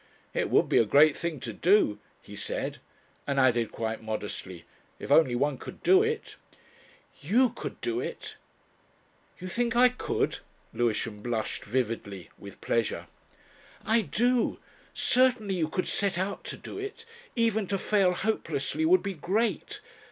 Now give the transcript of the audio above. "It would be a great thing to do," he said, and added, quite modestly, "if only one could do it." "You could do it." "You think I could?" Lewisham blushed vividly with pleasure. "I do. Certainly you could set out to do it. Even to fail hopelessly would be Great.